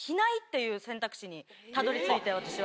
たどり着いて私は。